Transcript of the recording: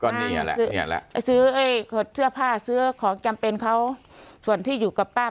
ก็เนี้ยเเหละเนี้ยและซื้อเอ๊คเจอผ้าซื้อของจำเป็นเขาส่วนที่อยู่กับป้า